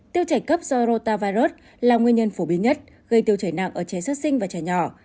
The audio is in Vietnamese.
tiêu chảy cấp do rotavirus là nguyên nhân phổ biến nhất gây tiêu chảy nặng ở trẻ sức sinh và trẻ nhỏ